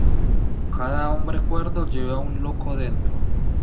Cada hombre cuerdo lleva un loco dentro.